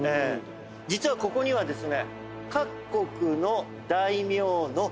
実はここにはですね。